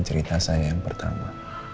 cerita saya yang pertama